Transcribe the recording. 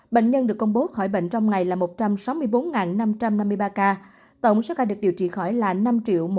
bệnh nhân được công bố khỏi bệnh trong ngày là một trăm sáu mươi bốn năm trăm năm mươi ba ca tổng số ca được điều trị khỏi là năm một trăm sáu mươi sáu một trăm một mươi bảy ca